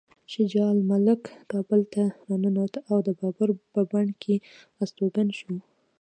شجاع الملک کابل ته راننوت او د بابر په بڼ کې استوګن شو.